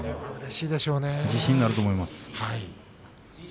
自信になると思います。